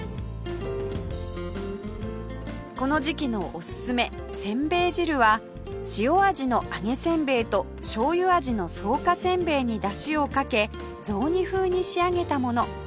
この時期のおすすめせんべい汁は塩味の揚げせんべいとしょうゆ味の草加せんべいに出汁をかけ雑煮風に仕上げたもの